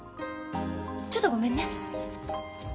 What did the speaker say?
ちょっとごめんね。